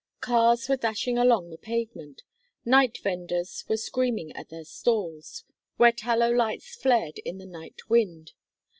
Cars were dashing along the pavement; night vendors were screaming at their stalls, where tallow lights flared in the night wind.